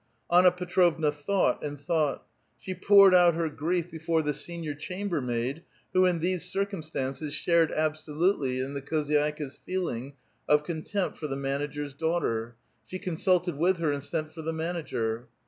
Anna Petrovna thought and thought ; she poured out her grief before the senior chambermaid, who in these circumstances shared absolutely in the khozydXka's feel ings of contempt for the manager's daughter ; she consulted with her and sent for the manager.